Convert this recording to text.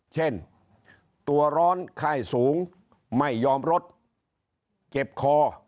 เช่นตัวร้อนไข้สูงไม่ยอมลดเจ็บคอ